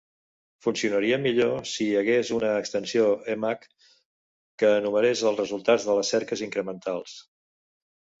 Funcionaria millor si hi hagués una extensió Emacs que enumerés els resultats de les cerques incrementals.